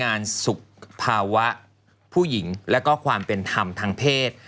งานสุขภาวะผู้หญิงแล้วก็ความเป็นธรรมทางเพศ